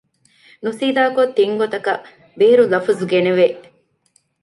ނުސީދާކޮށް ތިން ގޮތަކަށް ބޭރު ލަފުޒު ގެނެވެ